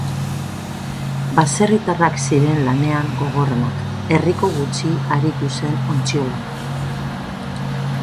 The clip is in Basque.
Baserritarrak ziren lanean gogorrenak; herriko gutxi aritu zen ontziolan.